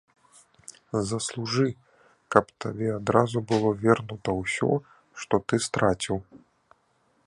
Заслужы, каб табе адразу было вернута ўсё, што ты страціў.